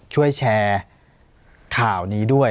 ช่วยแชร์ข่าวนี้ด้วย